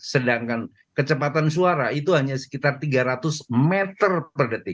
sedangkan kecepatan suara itu hanya sekitar tiga ratus meter per detik